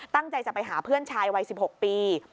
ตั้งใจจะไปหาเพื่อนชายวัย๑๖ปี